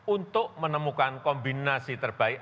untuk menemukan kombinasi terbaik